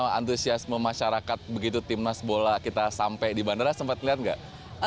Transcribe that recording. bagaimana antusiasme masyarakat begitu timnas bola kita sampai di bandara sempat lihat nggak